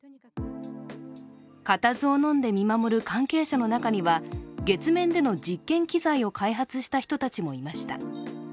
固唾をのんで見守る関係者の中には、月面での実験機材を開発した人たちもいました。